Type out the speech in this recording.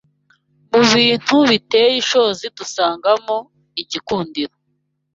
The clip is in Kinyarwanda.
Mubintu biteye ishozi dusangamo igikundiro